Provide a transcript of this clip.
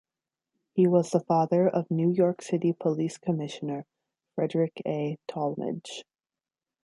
He was the father of New York City Police Commissioner Frederick A. Tallmadge.